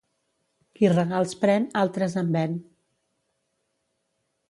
Qui regals pren, altres en ven.